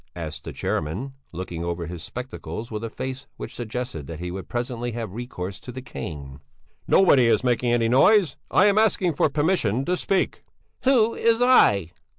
asked the chairman, looking over his spectacles with a face which suggested that he would presently have recourse to the cane. "Nobody is making any noise; I am asking for permission to speak." "Who is I?"